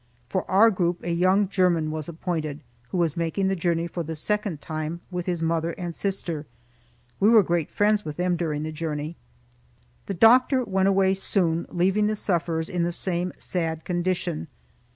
For our group a young German was appointed, who was making the journey for the second time, with his mother and sister. We were great friends with them during the journey. The doctor went away soon, leaving the sufferers in the same sad condition.